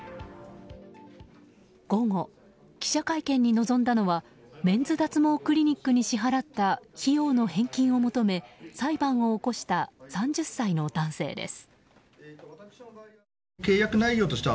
午後、記者会見に臨んだのはメンズ脱毛クリニックに支払った費用の返金を求め裁判を起こした３０歳の男性です。